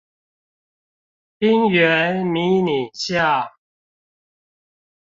冰原迷你象